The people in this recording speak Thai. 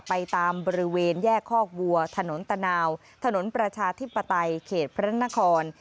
ไปตามบริเวณแยกคอกวัวถนนตะนาวถนนประชาธิปไตยเขตพระนคร